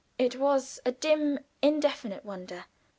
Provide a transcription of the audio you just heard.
It was a dim, indefinite wonder.